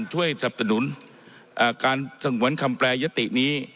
ช่วยสำสนุนอ่าการสงวนคำแปรยตินี้